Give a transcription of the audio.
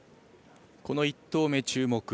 この１投目、注目。